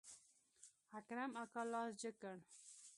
اکرم اکا لاس جګ کړ.